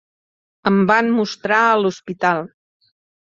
Em van mostrar a l'hospital.